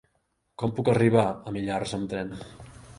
Com puc arribar a Millars amb tren?